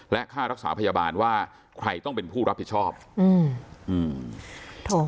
และค่ารักษาพยาบาลว่าใครต้องเป็นผู้รับผิดชอบอืมอืม